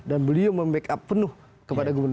dan beliau membackup penuh kepada gubernur